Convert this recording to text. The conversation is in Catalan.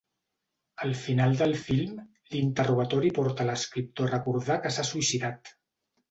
Al final del film, l'interrogatori porta l'escriptor a recordar que s'ha suïcidat.